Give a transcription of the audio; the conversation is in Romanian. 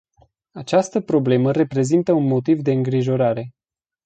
Această problemă reprezintă un motiv de îngrijorare.